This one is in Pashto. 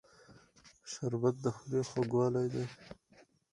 شربت د خولې خوږوالی دی